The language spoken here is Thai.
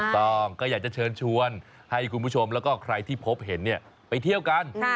ต้องก็อยากจะเชิญชวนให้คุณผู้ชมแล้วก็ใครที่พบเห็นไปเที่ยวกัน